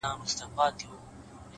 o زه چي الله څخه ښكلا په سجده كي غواړم؛